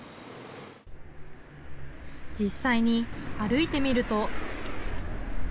実際に歩いてみると。